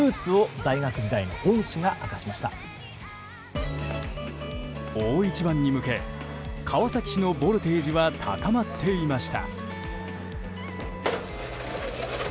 大一番に向け川崎市のボルテージは高まっていました。